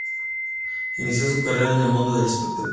Inició su carrera en el mundo del espectáculo.